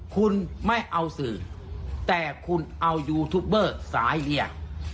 คุณไม่เอาสื่อแต่คุณเอายูทูปเบอร์สายเดียว